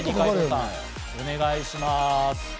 お願いします。